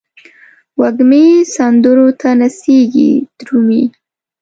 وږمې سندرو ته نڅیږې درومې